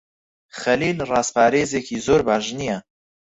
خەلیل ڕازپارێزێکی زۆر باش نییە.